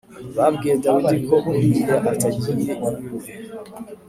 Babwiye Dawidi ko Uriya atagiye iwe